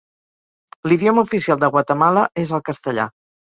L'idioma oficial de Guatemala és el castellà.